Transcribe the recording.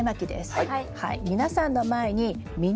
はい。